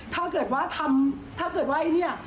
ถ้าเกิดว่าทำถ้าเกิดว่าไอ้เนี่ย